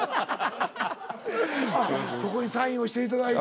あっそこにサインをしていただいて。